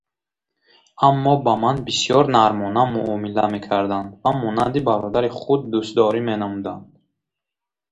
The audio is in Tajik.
Аммо ба ман бисёр нармона муомила мекарданд ва монанди бародари худ дӯстдорӣ менамуданд.